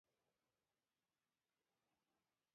بادي انرژي د افغانستان د طبیعي پدیدو یو رنګ دی.